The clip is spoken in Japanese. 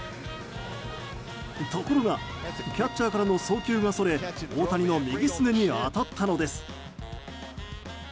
ところがキャッチャーからの送球がそれ大谷の右すねに当たったのです。